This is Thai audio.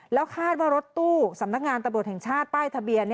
แล้วคาดว่ารถตู้สำนักงานตำรวจแห่งชาติป้ายทะเบียน